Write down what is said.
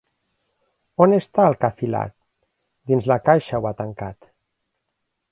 On està el que ha filat? Dins la caixa ho ha tancat.